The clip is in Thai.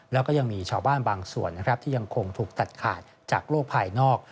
แล้วก็ยังมีชาวบ้านบางส่วนนะครับที่ยังคงถูกตัดขาดจากโลกภายนอก